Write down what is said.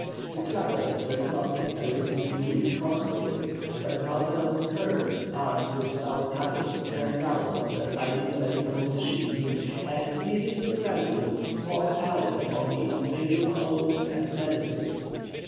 The travellers were crossing a recently reaped corn field, when half a dozen Kurds, armed with stout cudgels, sprang out from their hiding place among the sheaves, and, seizing the bridles, poured out a volley of mingled oaths and menaces.